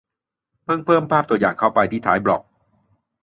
เพิ่งเพิ่มภาพตัวอย่างเข้าไปที่ท้ายบล็อก